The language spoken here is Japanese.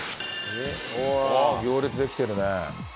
あっ行列できてるね。